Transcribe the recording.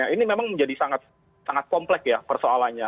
ini memang menjadi sangat komplek ya persoalannya